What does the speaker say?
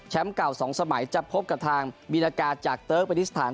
แชมป์เก่า๒สมัยจะพบกับทางบินากาศจากเตอร์กบริษฐาน